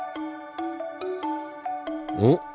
おっ！